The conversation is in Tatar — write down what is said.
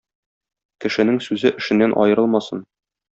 Кешенең сүзе эшеннән аерылмасын.